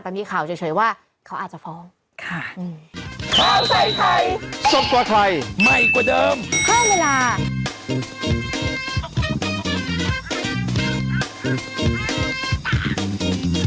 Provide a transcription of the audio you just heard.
แต่มีข่าวเฉยว่าเขาอาจจะฟ้องค่ะ